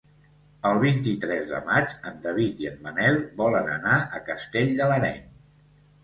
El vint-i-tres de maig en David i en Manel volen anar a Castell de l'Areny.